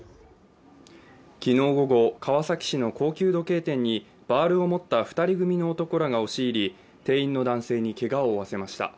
昨日午後、川崎市の高級時計店にバールを持った２人組の男らが押し入り店員の男性にけがを負わせました。